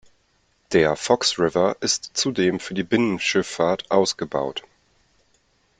Der Fox River ist zudem für die Binnenschifffahrt ausgebaut.